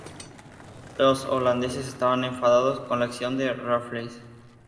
Los holandeses estaban enfadados con la acción de Raffles.